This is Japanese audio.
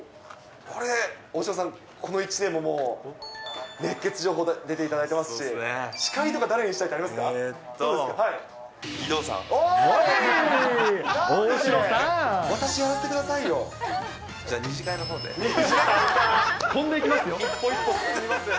これ、大城さん、この１年ももう、熱ケツ情報出ていただいてますし、司会とか、誰にしたいとかありますか。